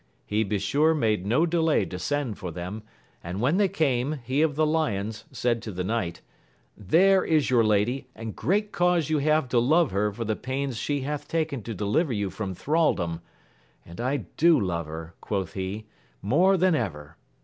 He besure made no delay to send for them^ and when they came, he of the lions said to the knight^ There is your lady and great cause you have to love her for the pains she hath taken to deliver you from thraldom, and I do love her, quoth he, more than ever